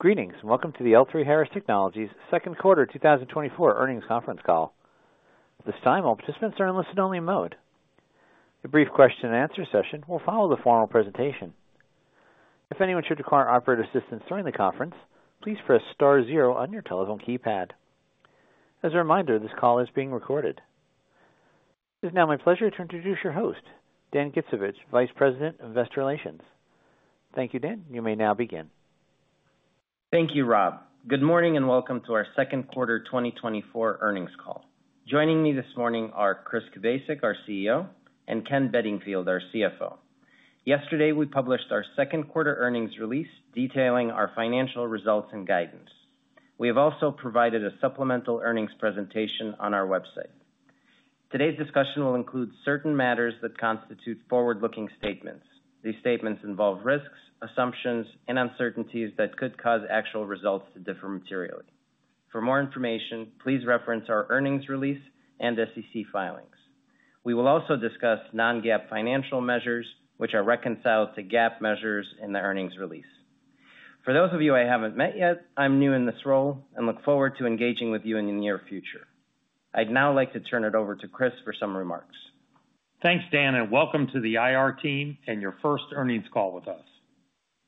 Greetings, and welcome to the L3Harris Technologies second quarter 2024 earnings conference call. At this time, all participants are in listen-only mode. A brief question-and-answer session will follow the formal presentation. If anyone should require operator assistance during the conference, please press star zero on your telephone keypad. As a reminder, this call is being recorded. It is now my pleasure to introduce your host, Dan Gittsovich, Vice President of Investor Relations. Thank you, Dan. You may now begin. Thank you, Rob. Good morning, and welcome to our second quarter 2024 earnings call. Joining me this morning are Chris Kubasik, our CEO, and Ken Bedingfield, our CFO. Yesterday, we published our second quarter earnings release, detailing our financial results and guidance. We have also provided a supplemental earnings presentation on our website. Today's discussion will include certain matters that constitute forward-looking statements. These statements involve risks, assumptions, and uncertainties that could cause actual results to differ materially. For more information, please reference our earnings release and SEC filings. We will also discuss Non-GAAP financial measures, which are reconciled to GAAP measures in the earnings release. For those of you I haven't met yet, I'm new in this role and look forward to engaging with you in the near future. I'd now like to turn it over to Chris for some remarks. Thanks, Dan, and welcome to the IR team and your first earnings call with us.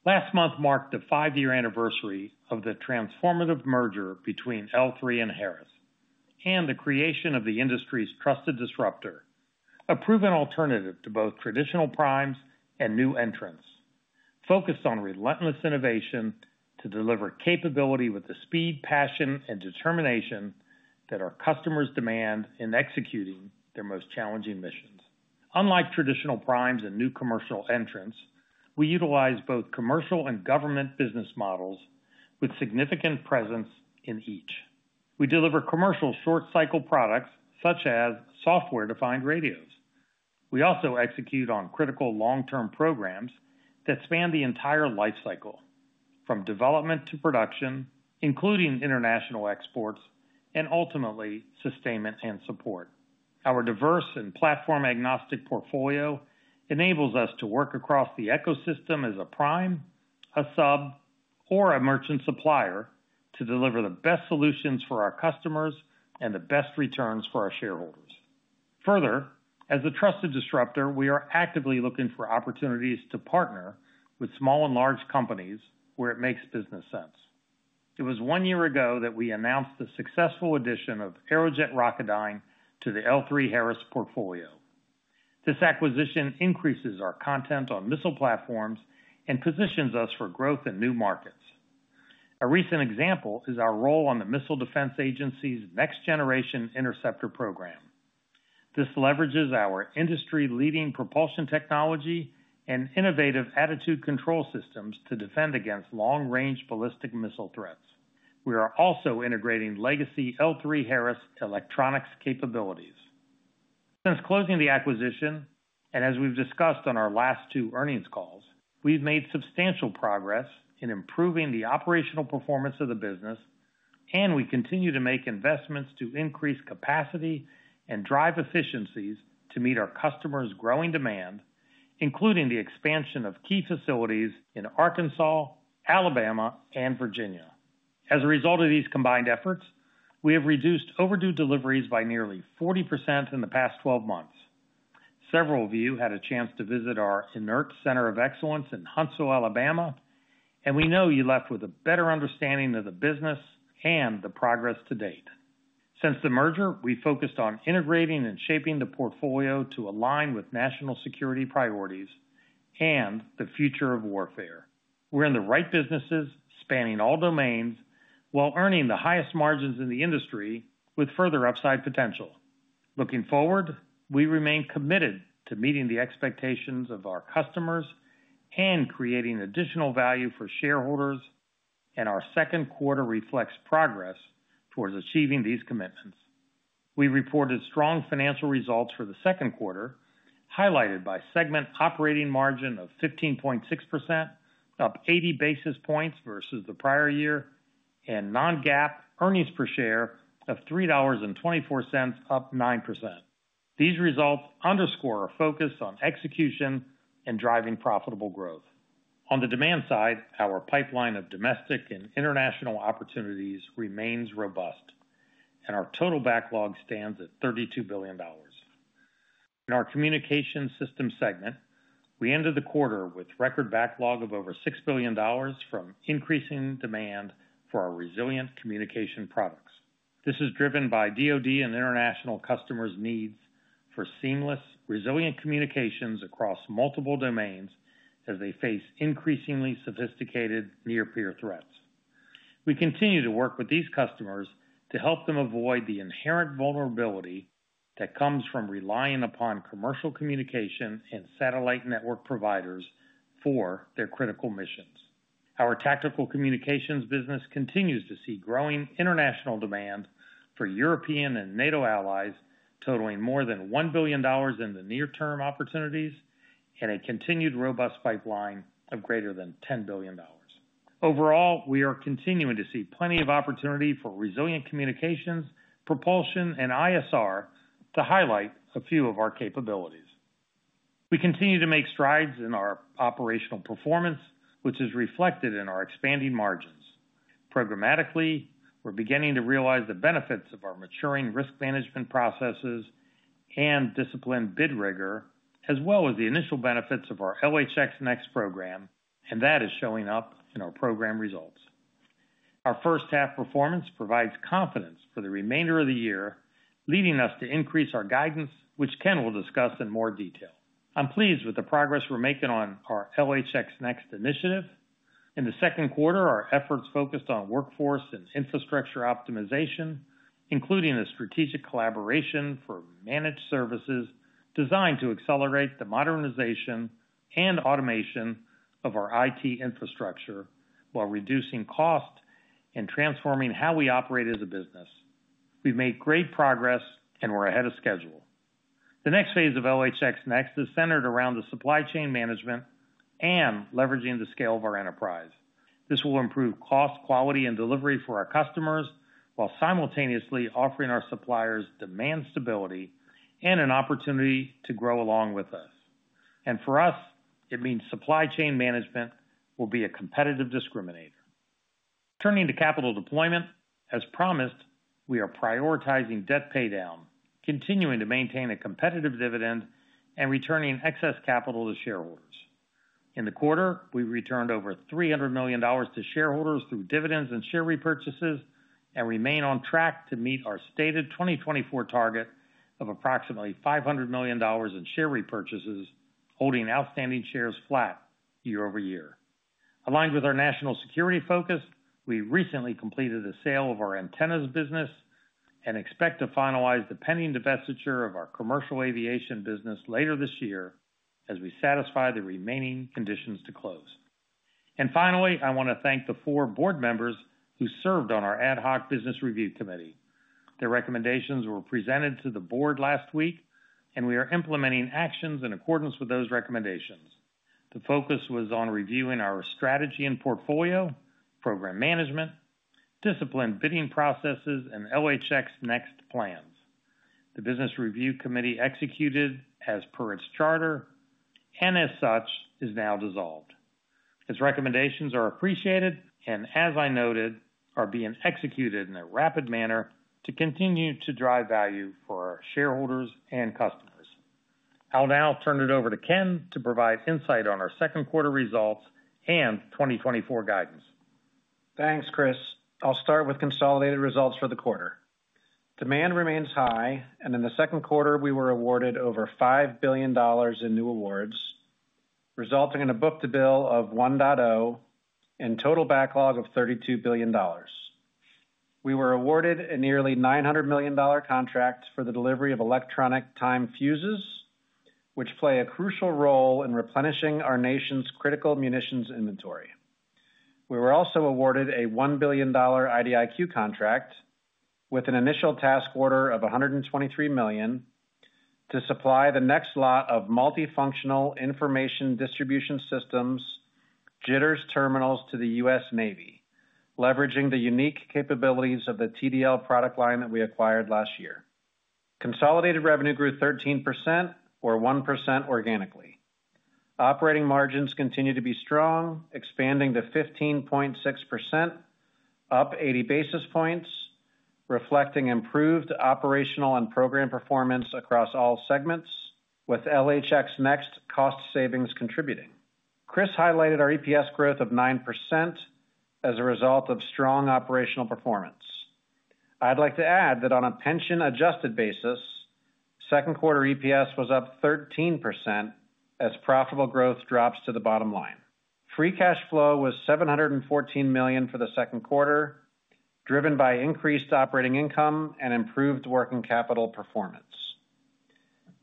Last month marked the five-year anniversary of the transformative merger between L3 and Harris, and the creation of the industry's trusted disruptor, a proven alternative to both traditional primes and new entrants. Focused on relentless innovation to deliver capability with the speed, passion, and determination that our customers demand in executing their most challenging missions. Unlike traditional primes and new commercial entrants, we utilize both commercial and government business models with significant presence in each. We deliver commercial short cycle products, such as software-defined radios. We also execute on critical long-term programs that span the entire life cycle, from development to production, including international exports, and ultimately, sustainment and support. Our diverse and platform-agnostic portfolio enables us to work across the ecosystem as a prime, a sub, or a merchant supplier to deliver the best solutions for our customers and the best returns for our shareholders. Further, as a trusted disruptor, we are actively looking for opportunities to partner with small and large companies where it makes business sense. It was one year ago that we announced the successful addition of Aerojet Rocketdyne to the L3Harris portfolio. This acquisition increases our content on missile platforms and positions us for growth in new markets. A recent example is our role on the Missile Defense Agency's Next Generation Interceptor program. This leverages our industry-leading propulsion technology and innovative attitude control systems to defend against long-range ballistic missile threats. We are also integrating legacy L3Harris electronics capabilities. Since closing the acquisition, and as we've discussed on our last two earnings calls, we've made substantial progress in improving the operational performance of the business, and we continue to make investments to increase capacity and drive efficiencies to meet our customers' growing demand, including the expansion of key facilities in Arkansas, Alabama, and Virginia. As a result of these combined efforts, we have reduced overdue deliveries by nearly 40% in the past 12 months. Several of you had a chance to visit our Inert Center of Excellence in Huntsville, Alabama, and we know you left with a better understanding of the business and the progress to date. Since the merger, we focused on integrating and shaping the portfolio to align with national security priorities and the future of warfare. We're in the right businesses, spanning all domains, while earning the highest margins in the industry with further upside potential. Looking forward, we remain committed to meeting the expectations of our customers and creating additional value for shareholders, and our second quarter reflects progress towards achieving these commitments. We reported strong financial results for the second quarter, highlighted by segment operating margin of 15.6%, up 80 basis points versus the prior year, and Non-GAAP earnings per share of $3.24, up 9%. These results underscore our focus on execution and driving profitable growth. On the demand side, our pipeline of domestic and international opportunities remains robust, and our total backlog stands at $32 billion. In our Communication Systems segment, we ended the quarter with record backlog of over $6 billion from increasing demand for our resilient communication products. This is driven by DoD and international customers' needs for seamless, resilient communications across multiple domains as they face increasingly sophisticated near-peer threats. We continue to work with these customers to help them avoid the inherent vulnerability that comes from relying upon commercial communication and satellite network providers for their critical missions. Our tactical communications business continues to see growing international demand for European and NATO allies, totaling more than $1 billion in the near-term opportunities and a continued robust pipeline of greater than $10 billion. Overall, we are continuing to see plenty of opportunity for resilient communications, propulsion, and ISR to highlight a few of our capabilities.... We continue to make strides in our operational performance, which is reflected in our expanding margins. Programmatically, we're beginning to realize the benefits of our maturing risk management processes and disciplined bid rigor, as well as the initial benefits of our LHX NeXT program, and that is showing up in our program results. Our first half performance provides confidence for the remainder of the year, leading us to increase our guidance, which Ken will discuss in more detail. I'm pleased with the progress we're making on our LHX NeXT initiative. In the second quarter, our efforts focused on workforce and infrastructure optimization, including a strategic collaboration for managed services designed to accelerate the modernization and automation of our IT infrastructure, while reducing cost and transforming how we operate as a business. We've made great progress, and we're ahead of schedule. The next phase of LHX NeXT is centered around the supply chain management and leveraging the scale of our enterprise. This will improve cost, quality, and delivery for our customers, while simultaneously offering our suppliers demand stability and an opportunity to grow along with us. For us, it means supply chain management will be a competitive discriminator. Turning to capital deployment, as promised, we are prioritizing debt paydown, continuing to maintain a competitive dividend and returning excess capital to shareholders. In the quarter, we returned over $300 million to shareholders through dividends and share repurchases, and remain on track to meet our stated 2024 target of approximately $500 million in share repurchases, holding outstanding shares flat year-over-year. Aligned with our national security focus, we recently completed a sale of our antennas business and expect to finalize the pending divestiture of our commercial aviation business later this year as we satisfy the remaining conditions to close. Finally, I want to thank the four board members who served on our Ad Hoc Business Review Committee. Their recommendations were presented to the board last week, and we are implementing actions in accordance with those recommendations. The focus was on reviewing our strategy and portfolio, program management, disciplined bidding processes, and LHX NeXT plans. The Business Review Committee executed as per its charter, and as such, is now dissolved. Its recommendations are appreciated, and as I noted, are being executed in a rapid manner to continue to drive value for our shareholders and customers. I'll now turn it over to Ken to provide insight on our second quarter results and 2024 guidance. Thanks, Chris. I'll start with consolidated results for the quarter. Demand remains high, and in the second quarter, we were awarded over $5 billion in new awards, resulting in a book-to-bill of 1.0 and total backlog of $32 billion. We were awarded a nearly $900 million contract for the delivery of electronic time fuzes, which play a crucial role in replenishing our nation's critical munitions inventory. We were also awarded a $1 billion IDIQ contract with an initial task order of $123 million, to supply the next lot of Multifunctional Information Distribution Systems, MIDS JTRS terminals to the U.S. Navy, leveraging the unique capabilities of the TDL product line that we acquired last year. Consolidated revenue grew 13% or 1% organically. Operating margins continue to be strong, expanding to 15.6%, up 80 basis points, reflecting improved operational and program performance across all segments, with LHX NeXT cost savings contributing. Chris highlighted our EPS growth of 9% as a result of strong operational performance. I'd like to add that on a pension-adjusted basis, second quarter EPS was up 13% as profitable growth drops to the bottom line. Free cash flow was $714 million for the second quarter, driven by increased operating income and improved working capital performance.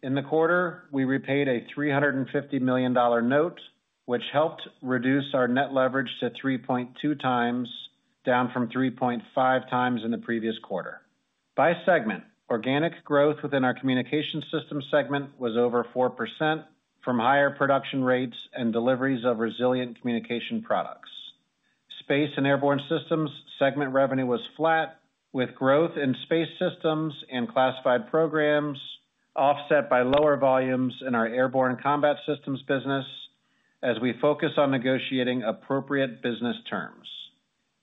In the quarter, we repaid a $350 million note, which helped reduce our net leverage to 3.2 times, down from 3.5 times in the previous quarter. By segment, organic growth within our communication system segment was over 4% from higher production rates and deliveries of resilient communication products. Space and Airborne Systems segment revenue was flat, with growth in space systems and classified programs offset by lower volumes in our airborne combat systems business, as we focus on negotiating appropriate business terms.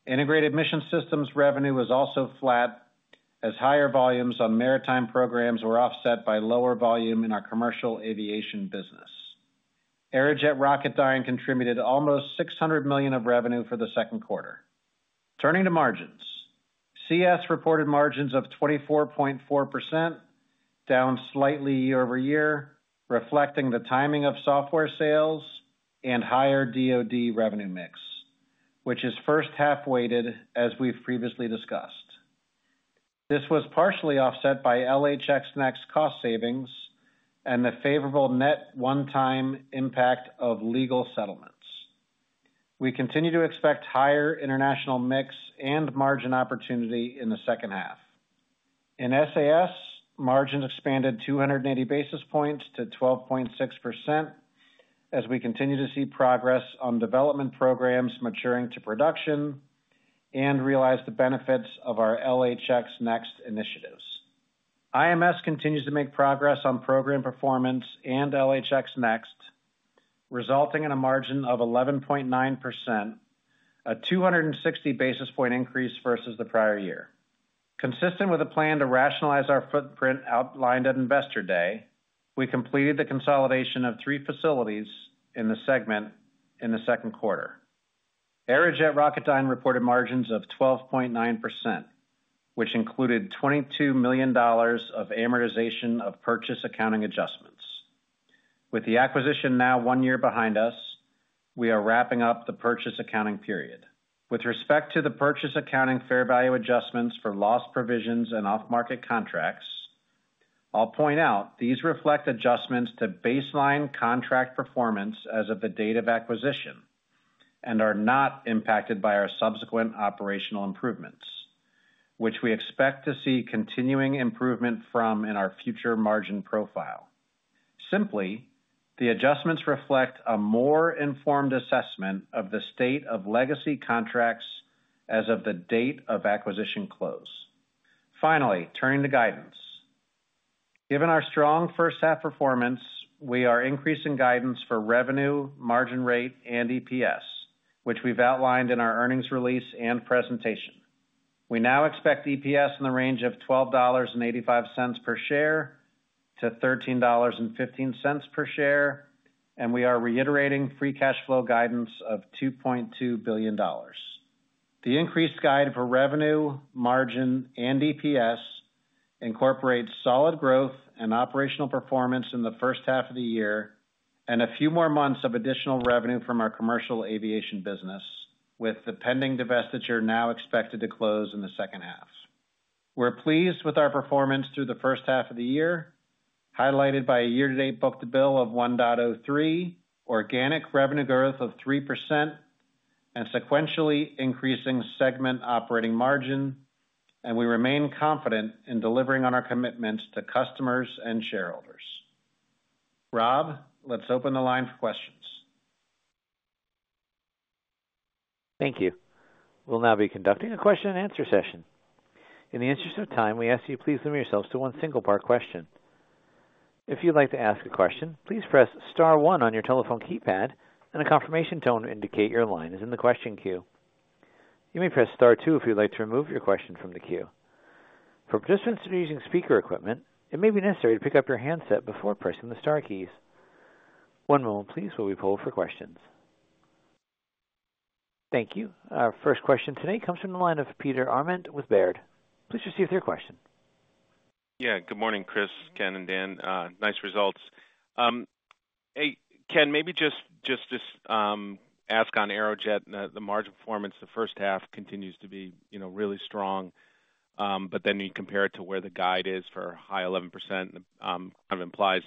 Integrated Mission Systems revenue was also flat, as higher volumes on maritime programs were offset by lower volume in our commercial aviation business. Aerojet Rocketdyne contributed almost $600 million of revenue for the second quarter. Turning to margins. CS reported margins of 24.4%, down slightly year-over-year, reflecting the timing of software sales and higher DoD revenue mix, which is first half weighted, as we've previously discussed. This was partially offset by LHX Next cost savings and the favorable net one-time impact of legal settlements. We continue to expect higher international mix and margin opportunity in the second half. In SAS, margin expanded 280 basis points to 12.6%, as we continue to see progress on development programs maturing to production and realize the benefits of our LHX Next initiatives. IMS continues to make progress on program performance and LHX Next, resulting in a margin of 11.9%, a 260 basis point increase versus the prior year. Consistent with a plan to rationalize our footprint outlined at Investor Day, we completed the consolidation of three facilities in the segment in the second quarter. Aerojet Rocketdyne reported margins of 12.9%, which included $22 million of amortization of purchase accounting adjustments. With the acquisition now one year behind us, we are wrapping up the purchase accounting period. With respect to the purchase accounting fair value adjustments for loss provisions and off-market contracts, I'll point out these reflect adjustments to baseline contract performance as of the date of acquisition, and are not impacted by our subsequent operational improvements, which we expect to see continuing improvement from in our future margin profile. Simply, the adjustments reflect a more informed assessment of the state of legacy contracts as of the date of acquisition close. Finally, turning to guidance. Given our strong first half performance, we are increasing guidance for revenue, margin rate, and EPS, which we've outlined in our earnings release and presentation. We now expect EPS in the range of $12.85 per share to $13.15 per share, and we are reiterating free cash flow guidance of $2.2 billion. The increased guide for revenue, margin, and EPS incorporates solid growth and operational performance in the first half of the year, and a few more months of additional revenue from our commercial aviation business, with the pending divestiture now expected to close in the second half. We're pleased with our performance through the first half of the year, highlighted by a year-to-date book-to-bill of 1.3, organic revenue growth of 3%, and sequentially increasing segment operating margin, and we remain confident in delivering on our commitments to customers and shareholders. Rob, let's open the line for questions. Thank you. We'll now be conducting a question-and-answer session. In the interest of time, we ask you to please limit yourselves to one single part question. If you'd like to ask a question, please press star one on your telephone keypad, and a confirmation tone will indicate your line is in the question queue. You may press star two if you'd like to remove your question from the queue. For participants using speaker equipment, it may be necessary to pick up your handset before pressing the star keys. One moment please, while we poll for questions. Thank you. Our first question today comes from the line of Peter Arment with Baird. Please proceed with your question. Yeah, good morning, Chris, Ken, and Dan, nice results. Hey, Ken, maybe just ask on Aerojet, and the margin performance the first half continues to be, you know, really strong, but then you compare it to where the guide is for a high 11%, kind of implies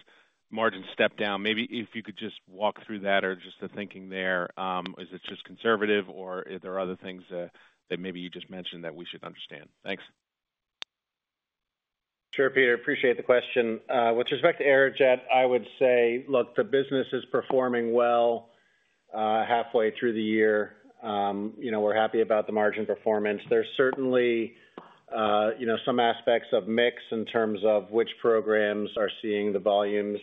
margin step down. Maybe if you could just walk through that or just the thinking there, is it just conservative, or are there other things that maybe you just mentioned that we should understand? Thanks. Sure, Peter, appreciate the question. With respect to Aerojet, I would say, look, the business is performing well, halfway through the year. You know, we're happy about the margin performance. There's certainly, you know, some aspects of mix in terms of which programs are seeing the volumes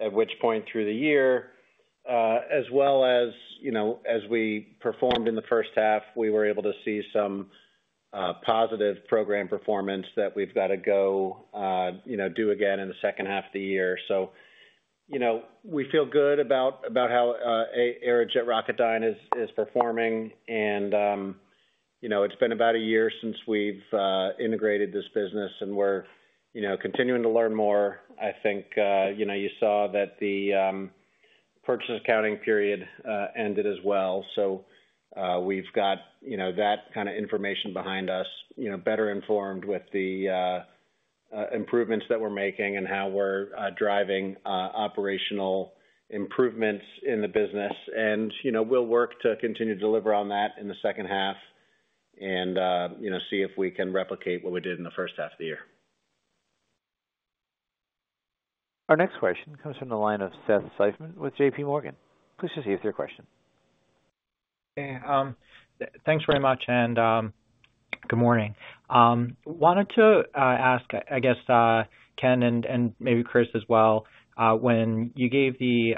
at which point through the year, as well as, you know, as we performed in the first half, we were able to see some positive program performance that we've got to go, you know, do again in the second half of the year. So, you know, we feel good about how Aerojet Rocketdyne is performing, and, you know, it's been about a year since we've integrated this business, and we're, you know, continuing to learn more. I think, you know, you saw that the Purchase Accounting period ended as well. So, we've got, you know, that kind of information behind us, you know, better informed with the improvements that we're making and how we're driving operational improvements in the business. And, you know, we'll work to continue to deliver on that in the second half and, you know, see if we can replicate what we did in the first half of the year. Our next question comes from the line of Seth Seifman with J.P. Morgan. Please proceed with your question. Hey, thanks very much and, good morning. Wanted to ask, I guess, Ken, and maybe Chris as well. When you gave the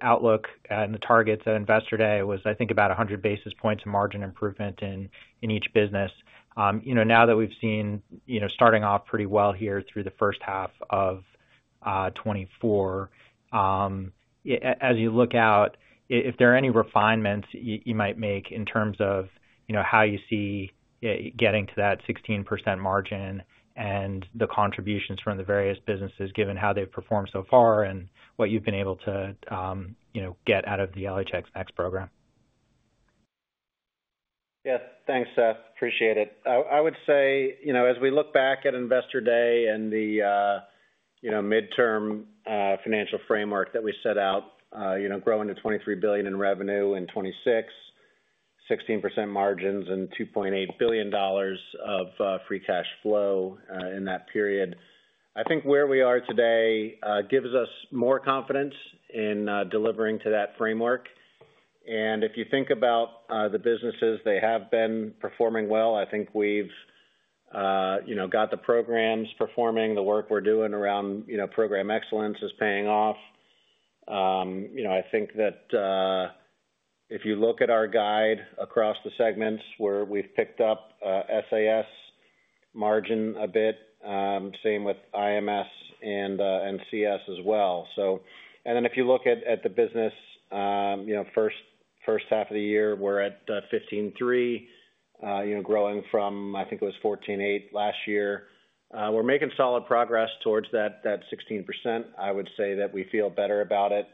outlook and the targets at Investor Day was, I think about 100 basis points of margin improvement in each business. You know, now that we've seen, you know, starting off pretty well here through the first half of 2024, as you look out, if there are any refinements you might make in terms of, you know, how you see getting to that 16% margin and the contributions from the various businesses, given how they've performed so far and what you've been able to, you know, get out of the LHX NeXT program? Yes, thanks, Seth. Appreciate it. I would say, you know, as we look back at Investor Day and the, you know, midterm financial framework that we set out, you know, growing to $23 billion in revenue in 2026-... 16% margins and $2.8 billion of free cash flow in that period. I think where we are today gives us more confidence in delivering to that framework. And if you think about the businesses, they have been performing well. I think we've you know got the programs performing. The work we're doing around you know program excellence is paying off. You know I think that if you look at our guide across the segments where we've picked up SAS margin a bit same with IMS and CS as well. So and then if you look at the business you know first half of the year we're at 15.3 you know growing from I think it was 14.8 last year. We're making solid progress towards that sixteen percent. I would say that we feel better about it,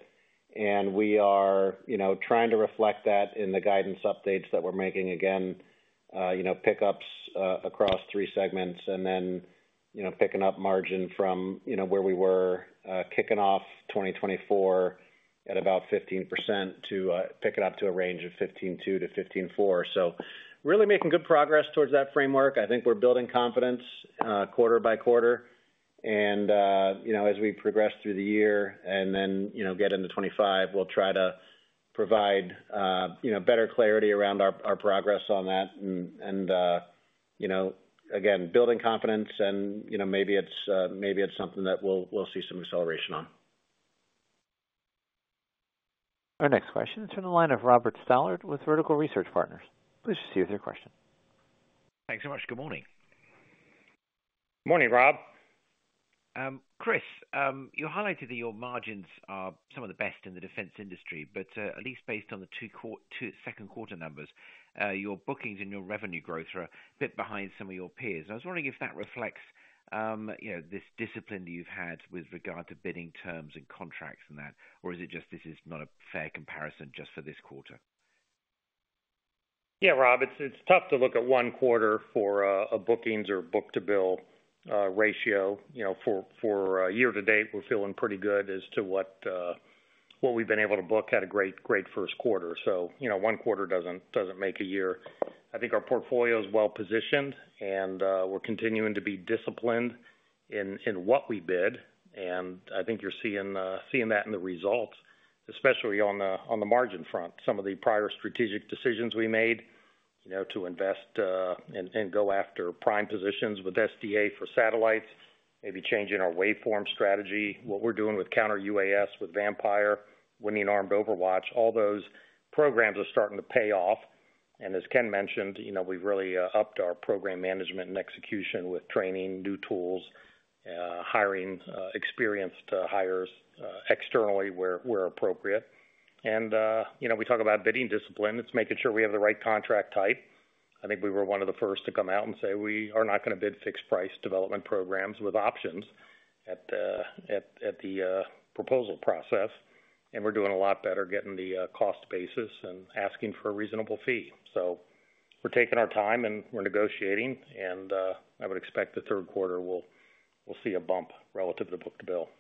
and we are, you know, trying to reflect that in the guidance updates that we're making again. You know, pickups across three segments and then, you know, picking up margin from, you know, where we were kicking off 2024 at about 15% to pick it up to a range of 15.2%-15.4%. So really making good progress towards that framework. I think we're building confidence quarter by quarter. And, you know, as we progress through the year and then, you know, get into 2025, we'll try to provide, you know, better clarity around our progress on that. You know, again, building confidence and, you know, maybe it's something that we'll see some acceleration on. Our next question is from the line of Robert Stallard with Vertical Research Partners. Please proceed with your question. Thanks so much. Good morning. Morning, Rob. Chris, you highlighted that your margins are some of the best in the defense industry, but at least based on the two second quarter numbers, your bookings and your revenue growth are a bit behind some of your peers. I was wondering if that reflects, you know, this discipline you've had with regard to bidding terms and contracts and that, or is it just this is not a fair comparison just for this quarter? Yeah, Rob, it's tough to look at one quarter for a bookings or book-to-bill ratio. You know, for year to date, we're feeling pretty good as to what we've been able to book. Had a great first quarter, so, you know, one quarter doesn't make a year. I think our portfolio is well positioned, and we're continuing to be disciplined in what we bid, and I think you're seeing that in the results. Especially on the margin front. Some of the prior strategic decisions we made, you know, to invest and go after prime positions with SDA for satellites, maybe changing our waveform strategy. What we're doing with counter UAS, with VAMPIRE, winning Armed Overwatch, all those programs are starting to pay off. And as Ken mentioned, you know, we've really upped our program management and execution with training, new tools, hiring experienced hires externally where appropriate. And, you know, we talk about bidding discipline. It's making sure we have the right contract type. I think we were one of the first to come out and say, "We are not gonna bid fixed price development programs with options at the proposal process." And we're doing a lot better getting the cost basis and asking for a reasonable fee. So we're taking our time, and we're negotiating, and I would expect the third quarter, we'll see a bump relative to book-to-bill.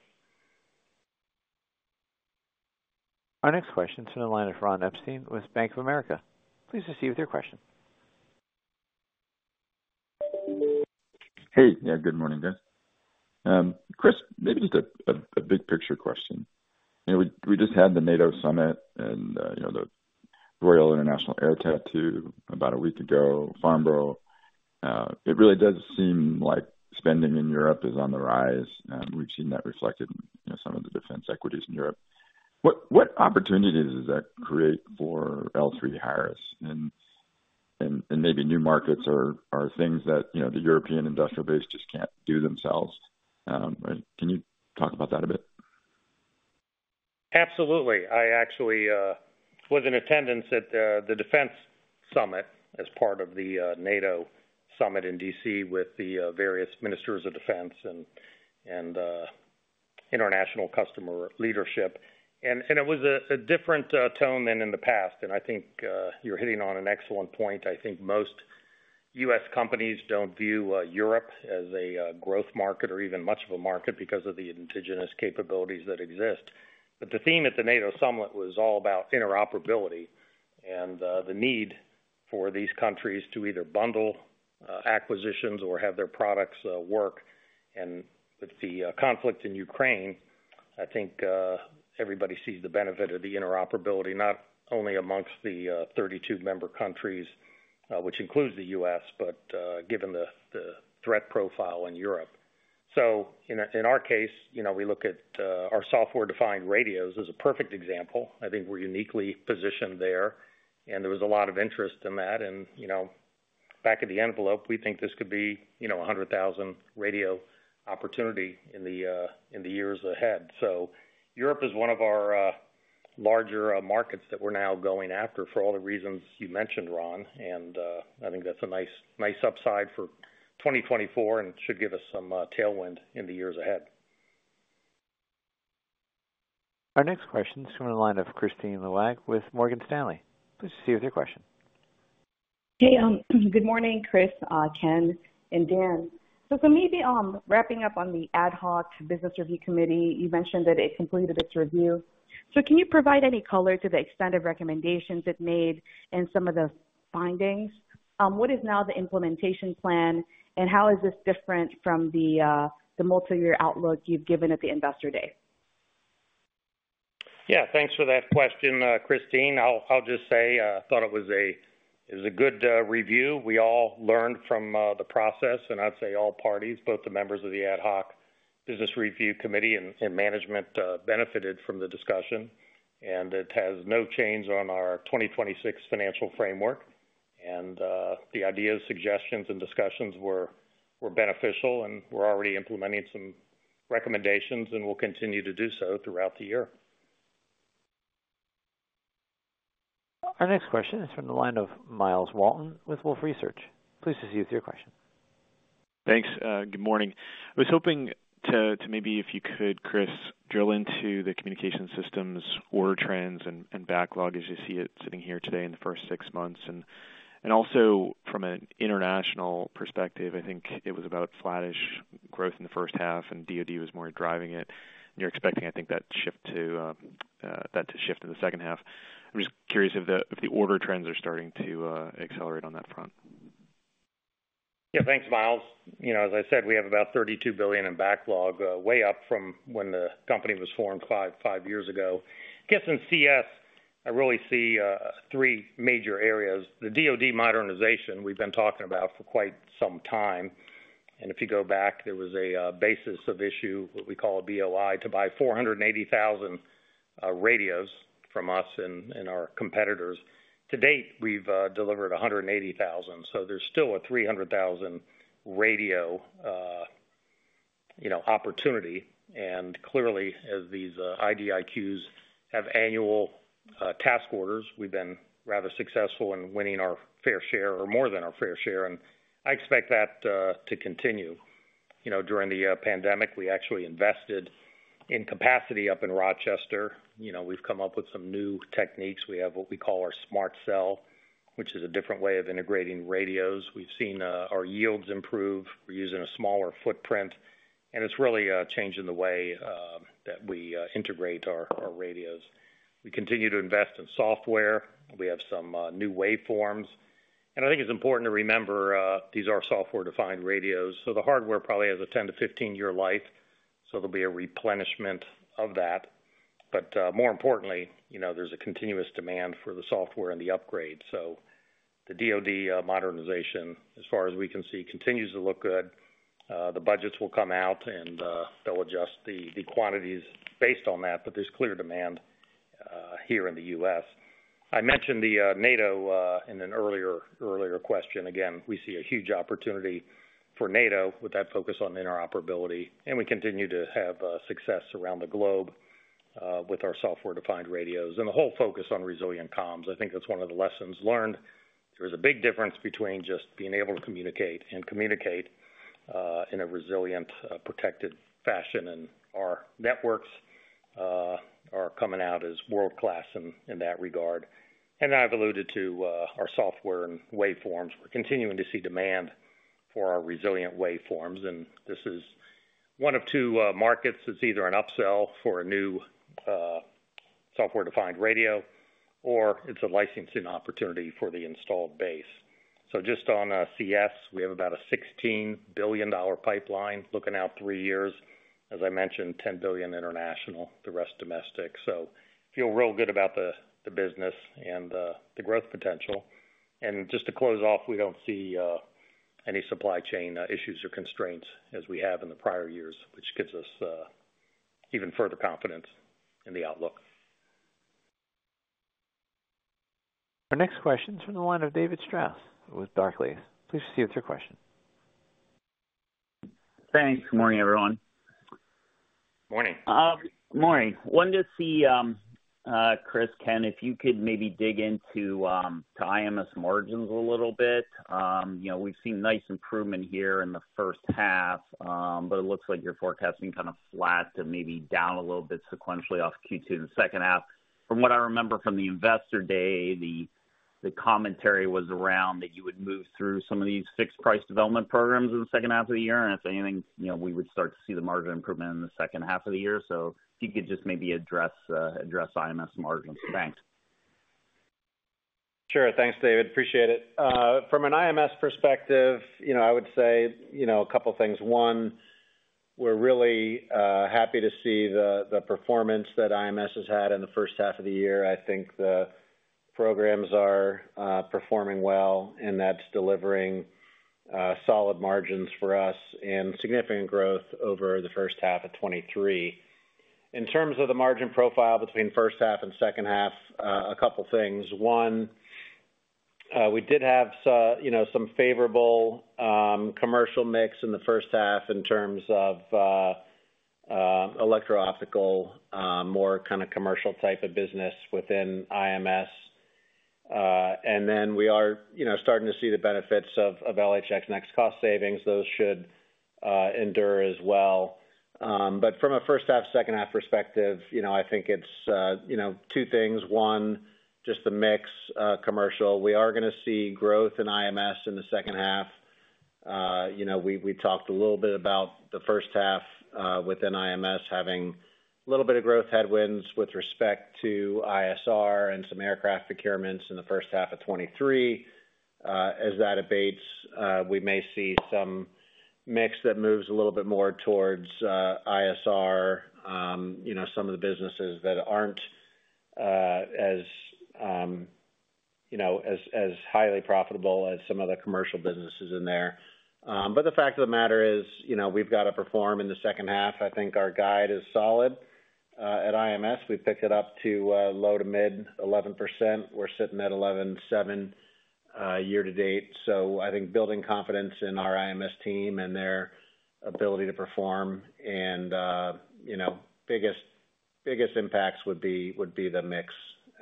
Our next question is in the line of Ron Epstein with Bank of America. Please proceed with your question. Hey. Yeah, good morning, guys. Chris, maybe just a big picture question. You know, we just had the NATO summit and, you know, the Royal International Air Tattoo about a week ago, Farnborough. It really does seem like spending in Europe is on the rise, and we've seen that reflected in, you know, some of the defense equities in Europe. What opportunities does that create for L3Harris and maybe new markets or things that, you know, the European industrial base just can't do themselves? Can you talk about that a bit? Absolutely. I actually was in attendance at the defense summit as part of the NATO summit in D.C. with the various ministers of defense and international customer leadership. And it was a different tone than in the past, and I think you're hitting on an excellent point. I think most U.S. companies don't view Europe as a growth market or even much of a market because of the indigenous capabilities that exist. But the theme at the NATO summit was all about interoperability and the need for these countries to either bundle acquisitions or have their products work. With the conflict in Ukraine, I think everybody sees the benefit of the interoperability, not only amongst the 32 member countries, which includes the U.S., but given the threat profile in Europe. So in our case, you know, we look at our software-defined radios as a perfect example. I think we're uniquely positioned there, and there was a lot of interest in that. And, you know, back of the envelope, we think this could be, you know, a 100,000 radio opportunity in the years ahead. So Europe is one of our larger markets that we're now going after for all the reasons you mentioned, Ron, and I think that's a nice, nice upside for 2024 and should give us some tailwind in the years ahead. Our next question is from the line of Christine Liwag with Morgan Stanley. Please proceed with your question.... Hey, good morning, Chris, Ken, and Dan. So for me, the wrapping up on the Ad Hoc Business Review Committee, you mentioned that it completed its review. So can you provide any color to the extent of recommendations it made and some of the findings? What is now the implementation plan, and how is this different from the multiyear outlook you've given at the Investor Day? Yeah, thanks for that question, Christine. I'll just say, I thought it was a good review. We all learned from the process, and I'd say all parties, both the members of the Ad Hoc Business Review Committee and management, benefited from the discussion, and it has no change on our 2026 financial framework. And the ideas, suggestions, and discussions were beneficial, and we're already implementing some recommendations and will continue to do so throughout the year. Our next question is from the line of Miles Walton with Wolfe Research. Please proceed with your question. Thanks. Good morning. I was hoping to maybe if you could, Chris, drill into the communication systems, order trends, and backlog as you see it sitting here today in the first six months. And also from an international perspective, I think it was about flattish growth in the first half, and DoD was more driving it. And you're expecting, I think, that shift to shift in the second half. I'm just curious if the order trends are starting to accelerate on that front. Yeah, thanks, Miles. You know, as I said, we have about $32 billion in backlog, way up from when the company was formed 5 years ago. I guess in CS, I really see 3 major areas. The DoD modernization we've been talking about for quite some time, and if you go back, there was a basis of issue, what we call a BOI, to buy 480,000 radios from us and our competitors. To date, we've delivered 180,000, so there's still a 300,000 radio opportunity. You know, clearly, as these IDIQs have annual task orders, we've been rather successful in winning our fair share or more than our fair share, and I expect that to continue. You know, during the pandemic, we actually invested in capacity up in Rochester. You know, we've come up with some new techniques. We have what we call our Smart Cell, which is a different way of integrating radios. We've seen our yields improve. We're using a smaller footprint, and it's really changing the way that we integrate our radios. We continue to invest in software. We have some new waveforms, and I think it's important to remember these are software-defined radios, so the hardware probably has a 10- to 15-year life, so there'll be a replenishment of that. But more importantly, you know, there's a continuous demand for the software and the upgrade. So the DoD modernization, as far as we can see, continues to look good. The budgets will come out, and they'll adjust the quantities based on that, but there's clear demand here in the U.S. I mentioned the NATO in an earlier question. Again, we see a huge opportunity for NATO with that focus on interoperability, and we continue to have success around the globe with our software-defined radios. And the whole focus on resilient comms, I think that's one of the lessons learned. There's a big difference between just being able to communicate and communicate in a resilient protected fashion, and our networks are coming out as world-class in that regard. And I've alluded to our software and waveforms. We're continuing to see demand for our resilient waveforms, and this is one of two markets that's either an upsell for a new software-defined radio, or it's a licensing opportunity for the installed base. So just on CS, we have about a $16 billion pipeline looking out three years. As I mentioned, $10 billion international, the rest domestic. So feel real good about the business and the growth potential. And just to close off, we don't see any supply chain issues or constraints as we have in the prior years, which gives us even further confidence in the outlook. Our next question is from the line of David Strauss with Barclays. Please proceed with your question. Thanks. Good morning, everyone. Morning. Morning. Wanted to see, Chris, Ken, if you could maybe dig into IMS margins a little bit. You know, we've seen nice improvement here in the first half, but it looks like you're forecasting kind of flat to maybe down a little bit sequentially off Q2 in the second half. From what I remember from the Investor Day, the commentary was around that you would move through some of these fixed price development programs in the second half of the year, and if anything, you know, we would start to see the margin improvement in the second half of the year. So if you could just maybe address IMS margins. Thanks. Sure. Thanks, David. Appreciate it. From an IMS perspective, you know, I would say, you know, a couple things. One, we're really happy to see the performance that IMS has had in the first half of the year. I think the programs are performing well, and that's delivering solid margins for us and significant growth over the first half of 2023. In terms of the margin profile between first half and second half, a couple things. One, we did have, you know, some favorable commercial mix in the first half in terms of electro-optical, more kind of commercial type of business within IMS. And then we are, you know, starting to see the benefits of LHX NeXT cost savings. Those should endure as well. But from a first half, second half perspective, you know, I think it's, you know, two things. One, just the mix, commercial. We are gonna see growth in IMS in the second half. You know, we talked a little bit about the first half, within IMS having a little bit of growth headwinds with respect to ISR and some aircraft procurements in the first half of 2023. As that abates, we may see some mix that moves a little bit more towards, ISR. You know, some of the businesses that aren't, as you know, as highly profitable as some of the commercial businesses in there. But the fact of the matter is, you know, we've got to perform in the second half. I think our guide is solid. At IMS, we've picked it up to low to mid 11%. We're sitting at 11.7 year to date. So I think building confidence in our IMS team and their ability to perform and, you know, biggest, biggest impacts would be, would be the mix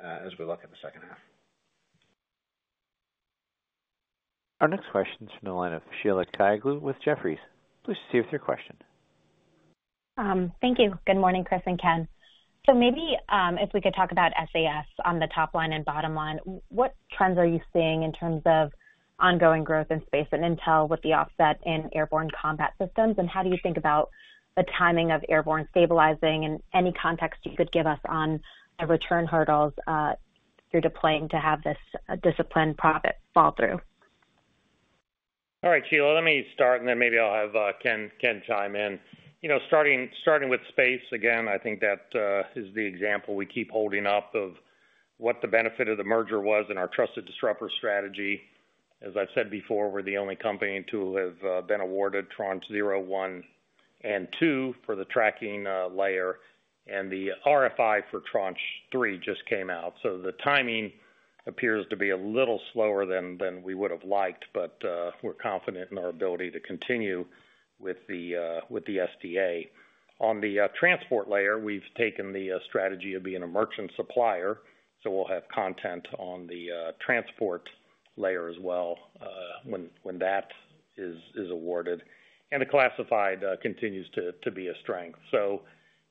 as we look at the second half. Our next question is from the line of Sheila Kahyaoglu with Jefferies. Please proceed with your question. Thank you. Good morning, Chris and Ken. So maybe, if we could talk about SAS on the top line and bottom line, what trends are you seeing in terms of ongoing growth in space and intel with the offset in airborne combat systems? And how do you think about the timing of airborne stabilizing, and any context you could give us on the return hurdles you're deploying to have this, disciplined profit fall through? All right, Sheila, let me start, and then maybe I'll have Ken chime in. You know, starting with space, again, I think that is the example we keep holding up of what the benefit of the merger was in our trusted disruptor strategy. As I've said before, we're the only company to have been awarded Tranche Zero, One, and Two for the Tracking Layer, and the RFI for Tranche Three just came out. So the timing appears to be a little slower than we would have liked, but we're confident in our ability to continue with the SDA. On the Transport Layer, we've taken the strategy of being a merchant supplier, so we'll have content on the Transport Layer as well, when that is awarded. The classified continues to be a strength. So,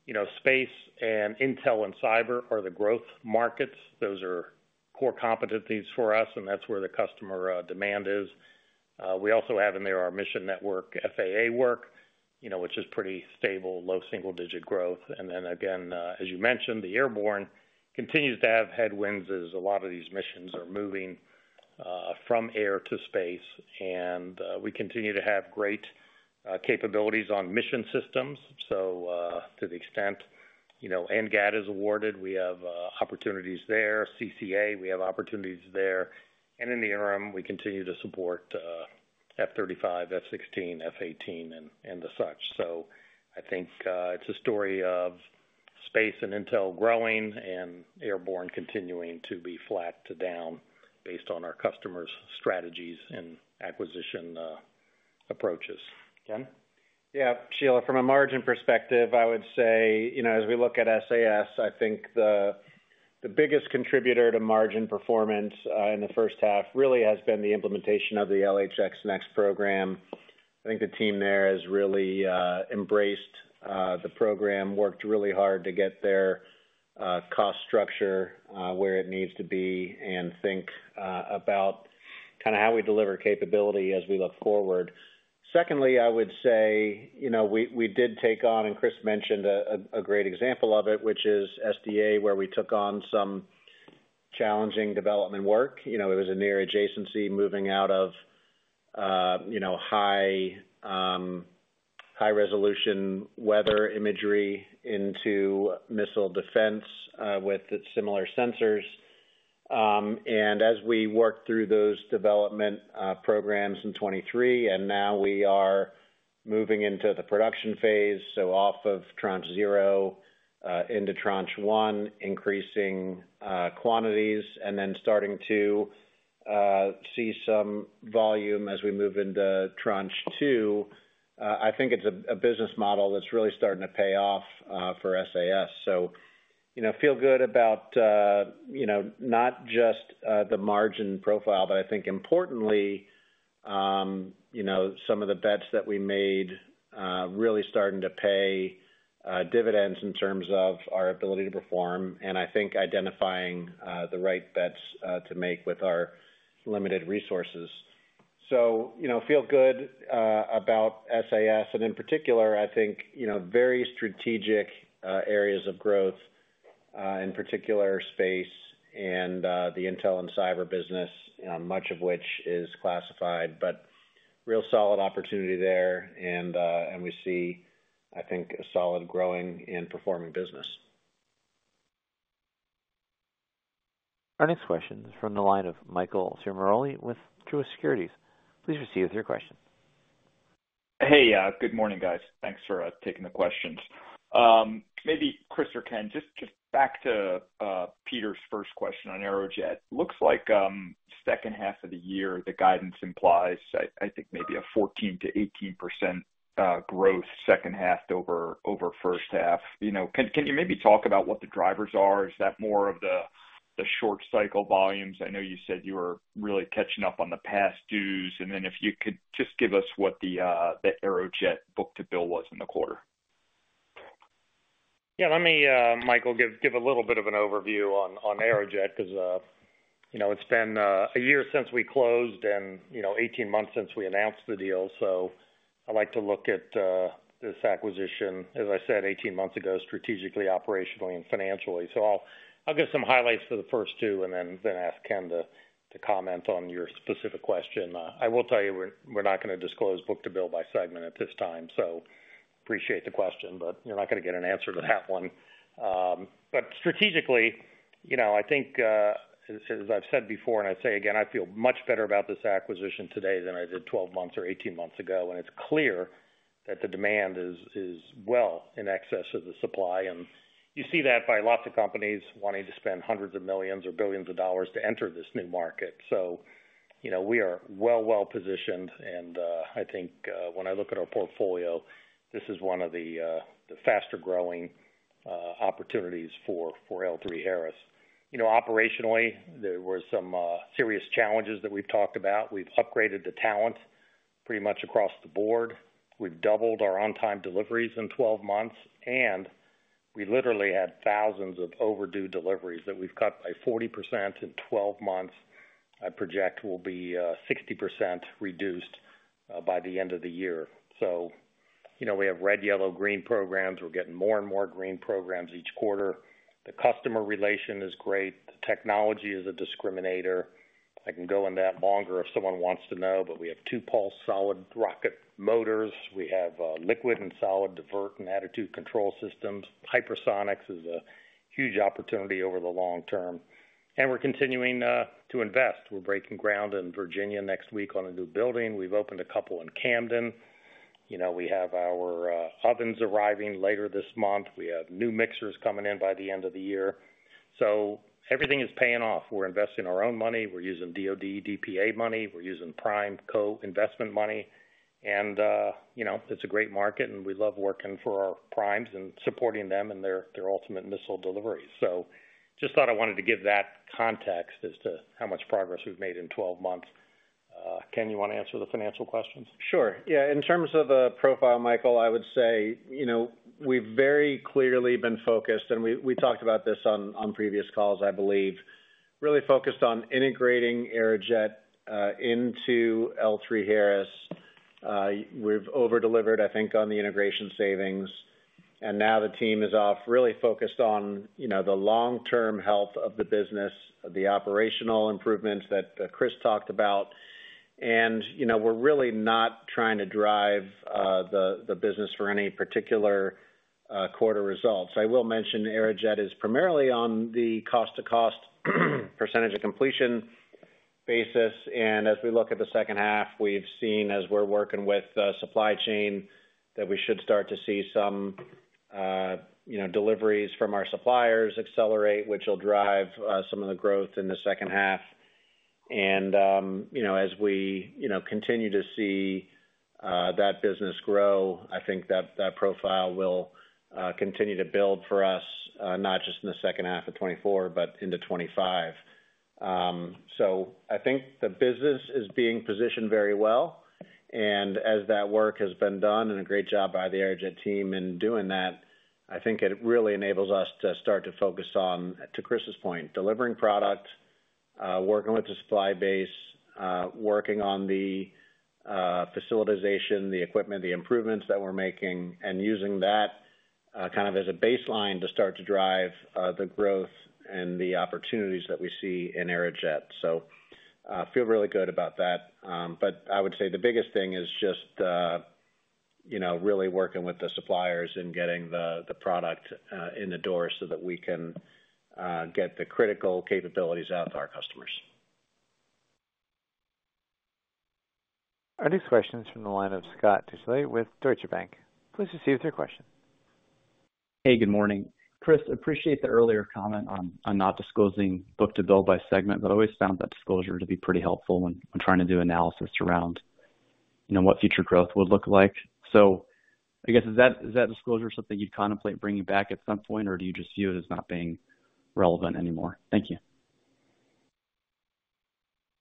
you know, space and intel and cyber are the growth markets. Those are core competencies for us, and that's where the customer demand is. We also have in there our mission network, FAA work, you know, which is pretty stable, low single digit growth. Then again, as you mentioned, the airborne continues to have headwinds, as a lot of these missions are moving from air to space. We continue to have great capabilities on mission systems. So, to the extent, you know, NGAD is awarded, we have opportunities there. CCA, we have opportunities there. And in the interim, we continue to support F-35, F-16, F-18, and the such. So I think, it's a story of space and intel growing and airborne continuing to be flat to down based on our customers' strategies and acquisition approaches. Ken? Yeah, Sheila, from a margin perspective, I would say, you know, as we look at SAS, I think the biggest contributor to margin performance in the first half really has been the implementation of the LHX NeXT program. I think the team there has really embraced the program, worked really hard to get their cost structure where it needs to be, and think about kind of how we deliver capability as we look forward. Secondly, I would say, you know, we did take on, and Chris mentioned a great example of it, which is SDA, where we took on some challenging development work. You know, it was a near adjacency moving out of, you know, high resolution weather imagery into missile defense with its similar sensors. And as we work through those development programs in 2023, and now we are moving into the production phase, so off of Tranche 0, into Tranche 1, increasing quantities, and then starting to see some volume as we move into Tranche 2. I think it's a business model that's really starting to pay off for SAS. So, you know, feel good about, you know, not just the margin profile, but I think importantly, you know, some of the bets that we made really starting to pay dividends in terms of our ability to perform, and I think identifying the right bets to make with our limited resources. So, you know, feel good about SAS, and in particular, I think, you know, very strategic areas of growth, in particular, space and the intel and cyber business, much of which is classified, but real solid opportunity there, and and we see, I think, a solid growing and performing business. Our next question is from the line of Michael Ciarmoli with Truist Securities. Please proceed with your question. Hey, good morning, guys. Thanks for taking the questions. Maybe Chris or Ken, just back to Peter's first question on Aerojet. Looks like second half of the year, the guidance implies, I think maybe a 14%-18% growth, second half over first half. You know, can you maybe talk about what the drivers are? Is that more of the-... the short cycle volumes. I know you said you were really catching up on the past dues, and then if you could just give us what the Aerojet book-to-bill was in the quarter? Yeah, let me, Michael, give a little bit of an overview on Aerojet, 'cause, you know, it's been a year since we closed and, you know, 18 months since we announced the deal. So I like to look at this acquisition, as I said, 18 months ago, strategically, operationally, and financially. So I'll give some highlights for the first two, and then ask Ken to comment on your specific question. I will tell you, we're not gonna disclose book-to-bill by segment at this time, so appreciate the question, but you're not gonna get an answer to that one. But strategically, you know, I think, as I've said before, and I'd say again, I feel much better about this acquisition today than I did 12 months or 18 months ago, and it's clear that the demand is well in excess of the supply. And you see that by lots of companies wanting to spend $hundreds of millions or billions to enter this new market. So, you know, we are well positioned, and I think when I look at our portfolio, this is one of the faster growing opportunities for L3Harris. You know, operationally, there were some serious challenges that we've talked about. We've upgraded the talent pretty much across the board. We've doubled our on-time deliveries in 12 months, and we literally had thousands of overdue deliveries that we've cut by 40% in 12 months. I project will be 60% reduced by the end of the year. So, you know, we have red, yellow, green programs. We're getting more and more green programs each quarter. The customer relation is great. The technology is a discriminator. I can go on that longer if someone wants to know, but we have two-pulse solid rocket motors. We have liquid and solid divert and attitude control systems. Hypersonics is a huge opportunity over the long term, and we're continuing to invest. We're breaking ground in Virginia next week on a new building. We've opened a couple in Camden. You know, we have our ovens arriving later this month. We have new mixers coming in by the end of the year. So everything is paying off. We're investing our own money. We're using DoD DPA money. We're using prime co-investment money, and, you know, it's a great market, and we love working for our primes and supporting them in their, their ultimate missile delivery. So just thought I wanted to give that context as to how much progress we've made in 12 months. Ken, you wanna answer the financial questions? Sure. Yeah, in terms of the profile, Michael, I would say, you know, we've very clearly been focused, and we, we talked about this on, on previous calls, I believe. Really focused on integrating Aerojet into L3Harris. We've over-delivered, I think, on the integration savings, and now the team is off, really focused on, you know, the long-term health of the business, the operational improvements that Chris talked about. And, you know, we're really not trying to drive the business for any particular quarter results. I will mention, Aerojet is primarily on the cost to cost, percentage of completion basis, and as we look at the second half, we've seen, as we're working with the supply chain, that we should start to see some, you know, deliveries from our suppliers accelerate, which will drive some of the growth in the second half. And, you know, as we, you know, continue to see that business grow, I think that, that profile will continue to build for us, not just in the second half of 2024, but into 2025. So I think the business is being positioned very well, and as that work has been done, and a great job by the Aerojet team in doing that, I think it really enables us to start to focus on, to Chris's point, delivering product, working with the supply base, working on the facilitization, the equipment, the improvements that we're making, and using that kind of as a baseline to start to drive the growth and the opportunities that we see in Aerojet. So, feel really good about that. But I would say the biggest thing is just, you know, really working with the suppliers and getting the product in the door so that we can get the critical capabilities out to our customers. Our next question is from the line of Scott Deuschle with Deutsche Bank. Please proceed with your question. Hey, good morning. Chris, appreciate the earlier comment on not disclosing Book-to-Bill by segment, but I always found that disclosure to be pretty helpful when I'm trying to do analysis around, you know, what future growth would look like. So I guess, is that disclosure something you'd contemplate bringing back at some point, or do you just view it as not being relevant anymore? Thank you.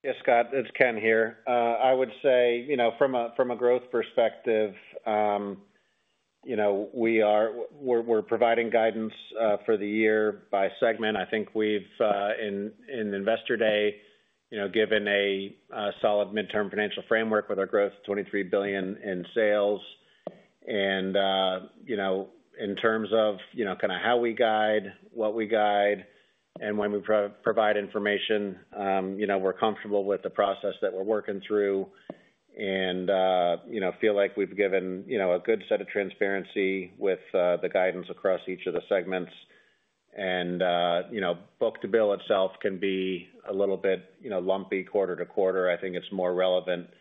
Yes, Scott, it's Ken here. I would say, you know, from a growth perspective, you know, we're providing guidance for the year by segment. I think we've in Investor Day, you know, given a solid midterm financial framework with our growth, $23 billion in sales. And, you know, in terms of, you know, kind of how we guide, what we guide, and when we provide information, you know, we're comfortable with the process that we're working through and, you know, feel like we've given, you know, a good set of transparency with the guidance across each of the segments. And, you know, Book-to-Bill itself can be a little bit, you know, lumpy quarter to quarter. I think it's more relevant to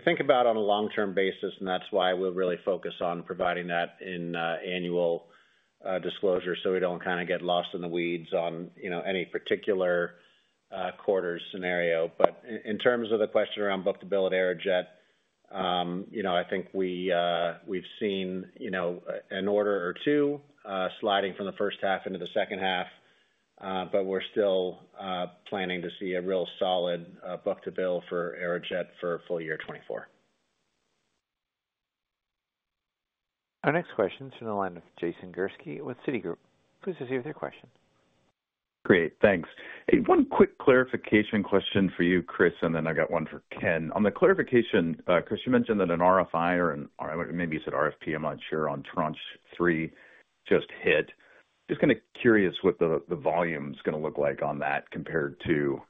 think about on a long-term basis, and that's why we're really focused on providing that in annual disclosure, so we don't kind of get lost in the weeds on, you know, any particular quarter's scenario. But in terms of the question around Book-to-Bill at Aerojet... You know, I think we've seen, you know, an order or two sliding from the first half into the second half. But we're still planning to see a real solid Book-to-Bill for Aerojet for full year 2024. Our next question is from the line of Jason Gursky with Citigroup. Please proceed with your question. Great, thanks. Hey, one quick clarification question for you, Chris, and then I got one for Ken. On the clarification, Chris, you mentioned that an RFI or an, or maybe you said RFP, I'm not sure, on Tranche 3 just hit. Just kind of curious what the volume's gonna look like on that compared to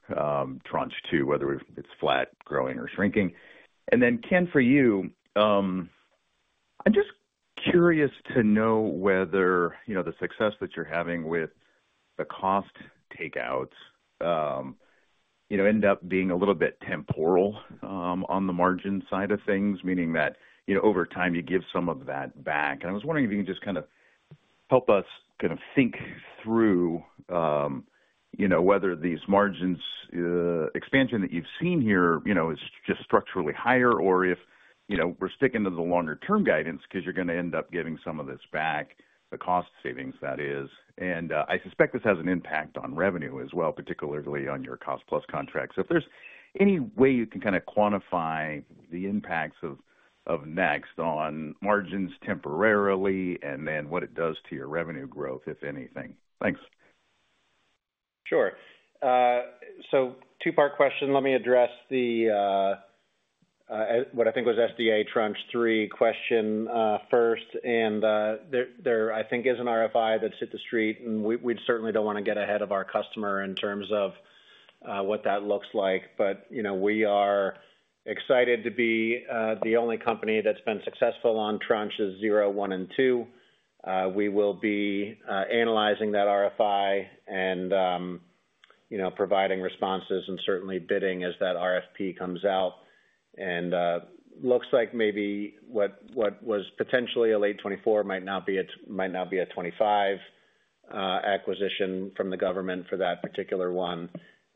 Tranche 2, whether it's flat, growing, or shrinking. And then, Ken, for you, I'm just curious to know whether, you know, the success that you're having with the cost takeouts, you know, end up being a little bit temporal on the margin side of things, meaning that, you know, over time, you give some of that back. I was wondering if you can just kind of help us kind of think through, you know, whether these margins expansion that you've seen here, you know, is just structurally higher, or if, you know, we're sticking to the longer term guidance, 'cause you're gonna end up giving some of this back, the cost savings, that is. I suspect this has an impact on revenue as well, particularly on your cost plus contracts. So if there's any way you can kind of quantify the impacts of, of NEXT on margins temporarily, and then what it does to your revenue growth, if anything. Thanks. Sure. So two-part question. Let me address the what I think was SDA Tranche 3 question first, and there I think is an RFI that's hit the street, and we certainly don't wanna get ahead of our customer in terms of what that looks like. But you know we are excited to be the only company that's been successful on Tranches 0, 1, and 2. We will be analyzing that RFI and you know providing responses and certainly bidding as that RFP comes out. And looks like maybe what was potentially a late 2024 might now be a 2025 acquisition from the government for that particular one.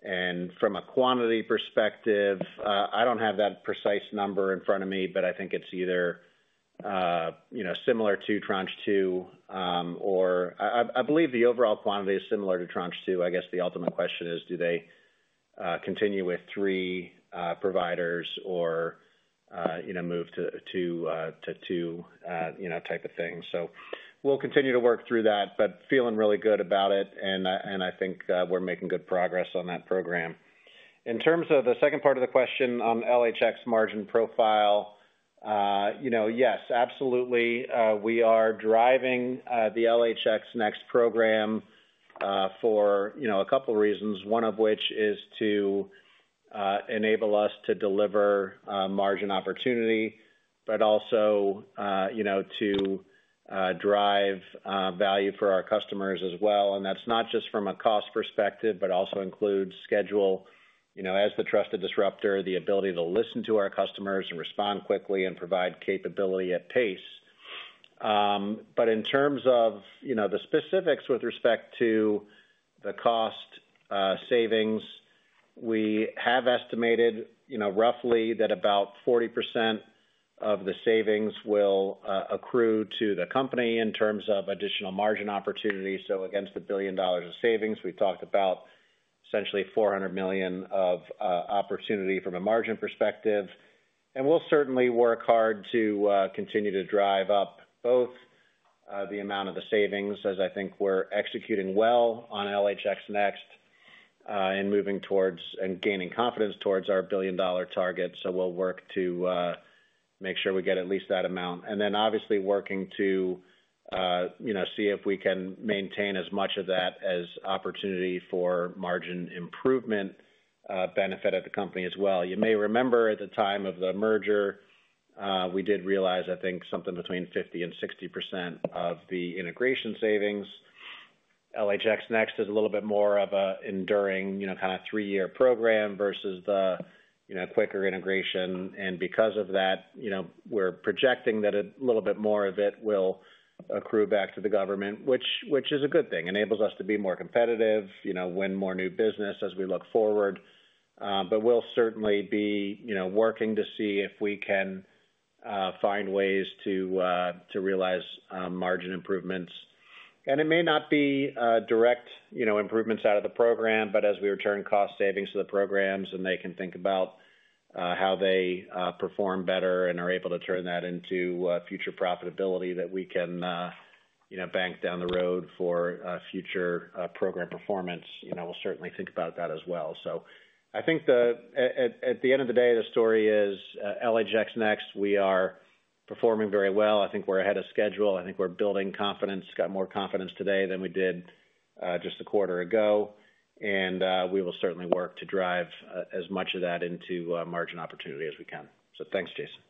And from a quantity perspective, I don't have that precise number in front of me, but I think it's either, you know, similar to Tranche 2, or I, I, I believe the overall quantity is similar to Tranche 2. I guess the ultimate question is, do they continue with 3 providers or, you know, move to 2, to 2, you know, type of thing? So we'll continue to work through that, but feeling really good about it, and, and I think we're making good progress on that program. In terms of the second part of the question on LHX margin profile, you know, yes, absolutely. We are driving the LHX NeXT program for, you know, a couple reasons, one of which is to enable us to deliver margin opportunity, but also, you know, to drive value for our customers as well. And that's not just from a cost perspective, but also includes schedule, you know, as the trusted disruptor, the ability to listen to our customers and respond quickly and provide capability at pace. But in terms of, you know, the specifics with respect to the cost savings, we have estimated, you know, roughly that about 40% of the savings will accrue to the company in terms of additional margin opportunities. So against the $1 billion of savings, we've talked about essentially $400 million of opportunity from a margin perspective. We'll certainly work hard to continue to drive up both the amount of the savings, as I think we're executing well on LHX NeXT, and moving towards and gaining confidence towards our billion-dollar target. So we'll work to make sure we get at least that amount. And then obviously working to you know see if we can maintain as much of that as opportunity for margin improvement benefit at the company as well. You may remember at the time of the merger, we did realize, I think, something between 50% and 60% of the integration savings. LHX NeXT is a little bit more of a enduring, you know, kind of three-year program versus the you know quicker integration. And because of that, you know, we're projecting that a little bit more of it will accrue back to the government, which is a good thing. Enables us to be more competitive, you know, win more new business as we look forward. But we'll certainly be, you know, working to see if we can find ways to to realize margin improvements. It may not be direct, you know, improvements out of the program, but as we return cost savings to the programs and they can think about how they perform better and are able to turn that into future profitability that we can you know, bank down the road for future program performance, you know, we'll certainly think about that as well. I think the... At the end of the day, the story is LHX NeXT. We are performing very well. I think we're ahead of schedule. I think we're building confidence, got more confidence today than we did just a quarter ago. We will certainly work to drive as much of that into margin opportunity as we can. So thanks, Jason.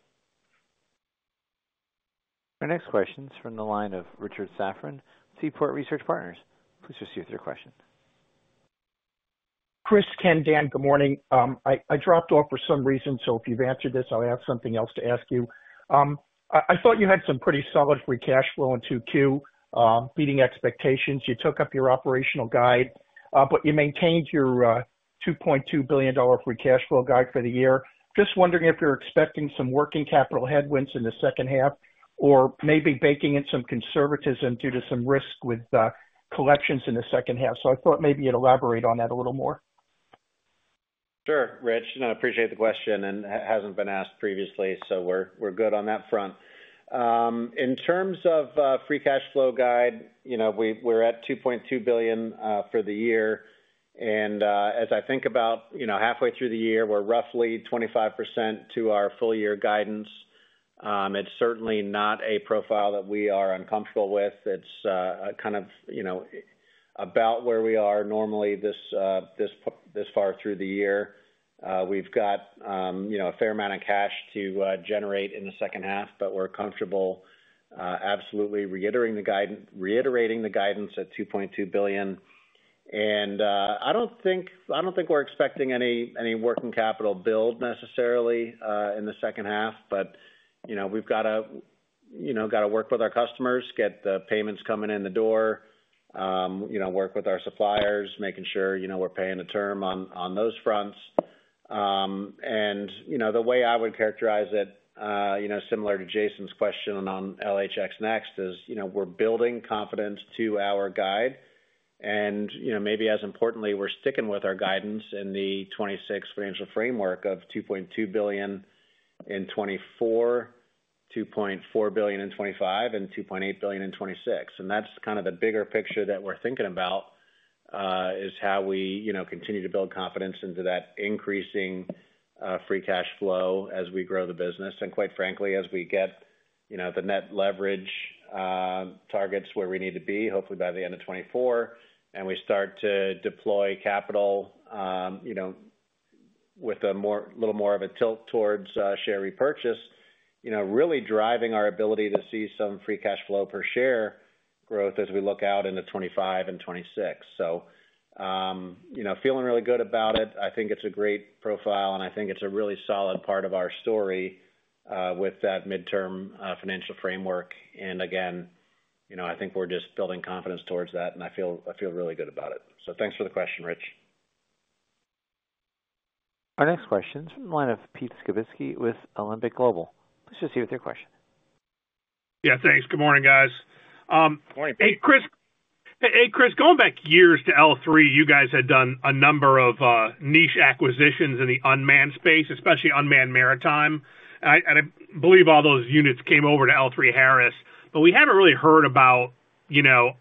Our next question is from the line of Richard Safran, Seaport Research Partners. Please proceed with your question.... Chris, Ken, Dan, good morning. I dropped off for some reason, so if you've answered this, I'll have something else to ask you. I thought you had some pretty solid free cash flow in 2Q, beating expectations. You took up your operational guide, but you maintained your $2.2 billion free cash flow guide for the year. Just wondering if you're expecting some working capital headwinds in the second half, or maybe baking in some conservatism due to some risk with collections in the second half. So I thought maybe you'd elaborate on that a little more. Sure, Rich, and I appreciate the question, and hasn't been asked previously, so we're good on that front. In terms of free cash flow guide, you know, we're at $2.2 billion for the year. As I think about, you know, halfway through the year, we're roughly 25% to our full year guidance. It's certainly not a profile that we are uncomfortable with. It's kind of, you know, about where we are normally this far through the year. We've got, you know, a fair amount of cash to generate in the second half, but we're comfortable, absolutely reiterating the guidance at $2.2 billion. I don't think we're expecting any working capital build necessarily in the second half. But, you know, we've gotta, you know, gotta work with our customers, get the payments coming in the door, you know, work with our suppliers, making sure, you know, we're paying the term on, on those fronts. And, you know, the way I would characterize it, you know, similar to Jason's question on, on LHX NeXT, is, you know, we're building confidence to our guide. And, you know, maybe as importantly, we're sticking with our guidance in the 2026 financial framework of $2.2 billion in 2024, $2.4 billion in 2025, and $2.8 billion in 2026. And that's kind of the bigger picture that we're thinking about, is how we, you know, continue to build confidence into that increasing, free cash flow as we grow the business. Quite frankly, as we get, you know, the net leverage targets where we need to be, hopefully by the end of 2024, and we start to deploy capital, you know, with a more little more of a tilt towards share repurchase. You know, really driving our ability to see some free cash flow per share growth as we look out into 2025 and 2026. So, you know, feeling really good about it. I think it's a great profile, and I think it's a really solid part of our story with that midterm financial framework. And again, you know, I think we're just building confidence towards that, and I feel, I feel really good about it. So thanks for the question, Rich. Our next question is from the line of Pete Skibitski with Alembic Global Advisors. Please go ahead with your question. Yeah, thanks. Good morning, guys. Morning, Pete. Hey, Chris. Hey, hey, Chris, going back years to L3, you guys had done a number of niche acquisitions in the unmanned space, especially unmanned maritime. I, and I believe all those units came over to L3Harris. But we haven't really heard about, you know,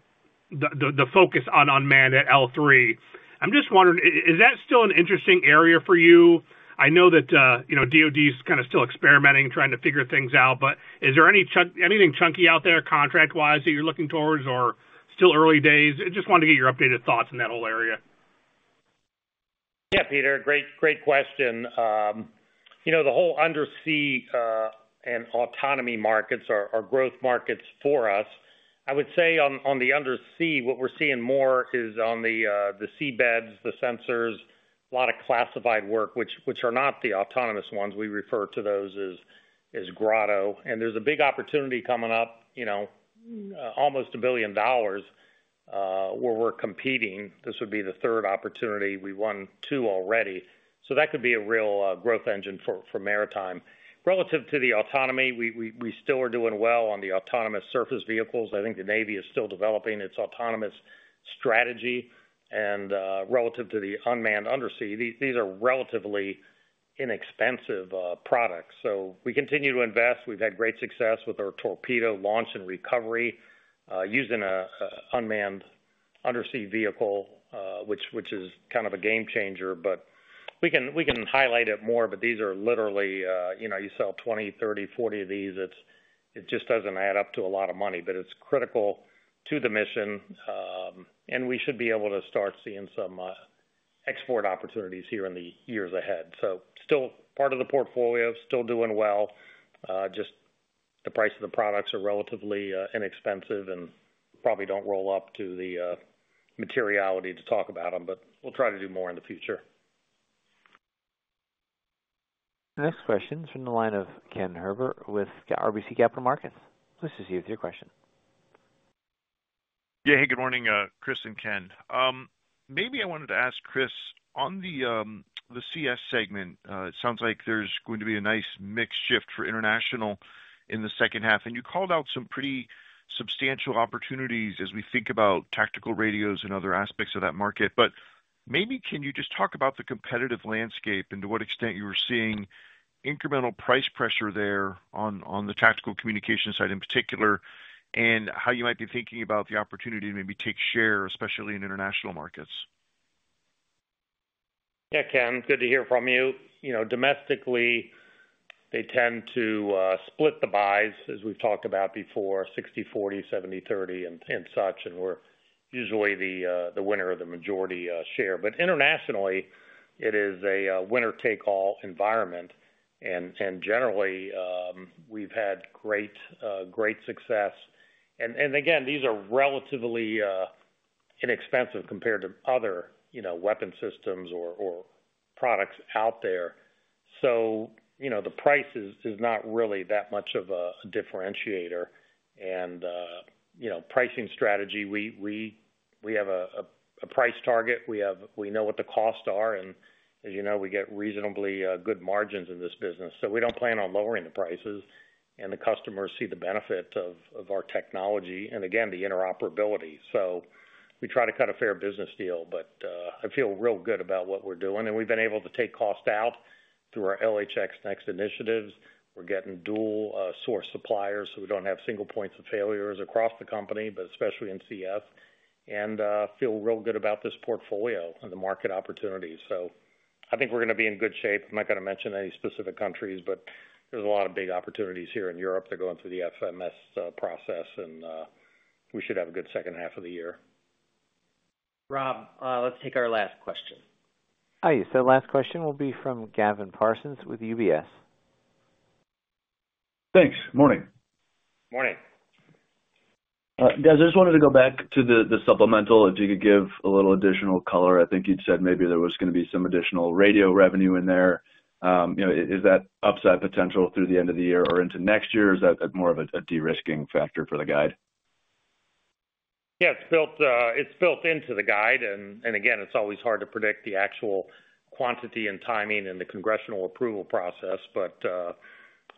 the focus on unmanned at L3. I'm just wondering, is that still an interesting area for you? I know that, you know, DoD is kind of still experimenting, trying to figure things out, but is there any anything chunky out there, contract-wise, that you're looking towards, or still early days? I just wanted to get your updated thoughts in that whole area. Yeah, Peter, great, great question. You know, the whole undersea and autonomy markets are growth markets for us. I would say on the undersea, what we're seeing more is on the seabeds, the sensors, a lot of classified work, which are not the autonomous ones. We refer to those as Grotto. And there's a big opportunity coming up, you know, almost $1 billion, where we're competing. This would be the third opportunity. We won two already, so that could be a real growth engine for maritime. Relative to the autonomy, we still are doing well on the autonomous surface vehicles. I think the Navy is still developing its autonomous strategy and relative to the unmanned undersea, these are relatively inexpensive products. So we continue to invest. We've had great success with our torpedo launch and recovery, using a unmanned undersea vehicle, which is kind of a game changer, but we can highlight it more. But these are literally, you know, you sell 20, 30, 40 of these, it's. It just doesn't add up to a lot of money. But it's critical to the mission, and we should be able to start seeing some export opportunities here in the years ahead. So still part of the portfolio, still doing well, just the price of the products are relatively inexpensive and probably don't roll up to the materiality to talk about them, but we'll try to do more in the future. The next question is from the line of Ken Herbert with RBC Capital Markets. Please proceed with your question. Yeah. Hey, good morning, Chris and Ken. Maybe I wanted to ask Chris, on the, the CS segment, it sounds like there's going to be a nice mix shift for international in the second half, and you called out some pretty substantial opportunities as we think about tactical radios and other aspects of that market. But maybe, can you just talk about the competitive landscape and to what extent you were seeing incremental price pressure there on, on the tactical communication side in particular, and how you might be thinking about the opportunity to maybe take share, especially in international markets? Yeah, Ken, good to hear from you. You know, domestically, they tend to split the buys, as we've talked about before, 60/40, 70/30, and such, and we're usually the winner of the majority share. But internationally, it is a winner take all environment, and generally, we've had great success. And again, these are relatively inexpensive compared to other, you know, weapon systems or products out there. So, you know, the price is not really that much of a differentiator. And you know, pricing strategy, we have a price target. We know what the costs are, and as you know, we get reasonably good margins in this business, so we don't plan on lowering the prices. And the customers see the benefit of our technology, and again, the interoperability. So we try to cut a fair business deal, but I feel real good about what we're doing, and we've been able to take cost out through our LHX NeXT initiatives. We're getting dual source suppliers, so we don't have single points of failures across the company, but especially in CS. And feel real good about this portfolio and the market opportunities. So I think we're gonna be in good shape. I'm not gonna mention any specific countries, but there's a lot of big opportunities here in Europe. They're going through the FMS process, and we should have a good second half of the year. Rob, let's take our last question. Hi. Last question will be from Gavin Parsons with UBS. Thanks. Morning. Morning. Guys, I just wanted to go back to the supplemental. If you could give a little additional color. I think you'd said maybe there was gonna be some additional radio revenue in there. You know, is that upside potential through the end of the year or into next year, or is that more of a de-risking factor for the guide? Yeah, it's built, it's built into the guide. And again, it's always hard to predict the actual quantity and timing in the congressional approval process. But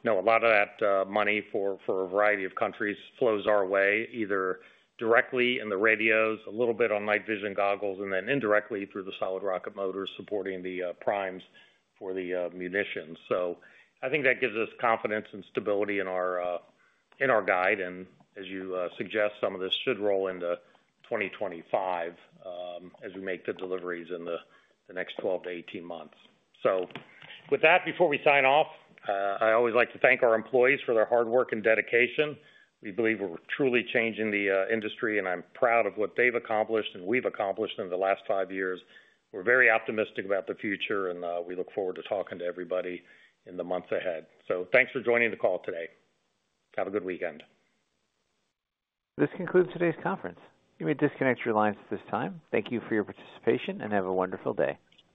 no, a lot of that money for a variety of countries flows our way, either directly in the radios, a little bit on night vision goggles, and then indirectly through the solid rocket motors, supporting the primes for the munitions. So I think that gives us confidence and stability in our guide, and as you suggest, some of this should roll into 2025, as we make the deliveries in the next 12 to 18 months. So with that, before we sign off, I always like to thank our employees for their hard work and dedication. We believe we're truly changing the industry, and I'm proud of what they've accomplished and we've accomplished in the last five years. We're very optimistic about the future, and we look forward to talking to everybody in the months ahead. So thanks for joining the call today. Have a good weekend. This concludes today's conference. You may disconnect your lines at this time. Thank you for your participation, and have a wonderful day.